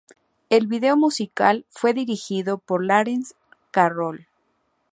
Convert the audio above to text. El vídeo musical fue dirigido por Lawrence Carroll.